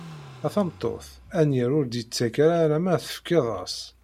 A tameṭṭut, anyir ur d-yettak ara alamma tefkiḍ-as.